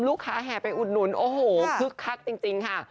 แห่ไปอุดหนุนโอ้โหคึกคักจริงค่ะ